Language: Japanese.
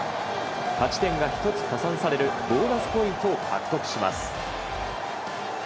勝ち点が１つ加算されるボーナスポイントを獲得します。